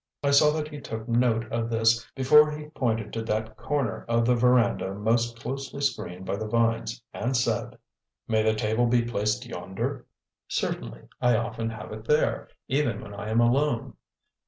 I saw that he took note of this before he pointed to that corner of the veranda most closely screened by the vines and said: "May the table be placed yonder?" "Certainly; I often have it there, even when I am alone."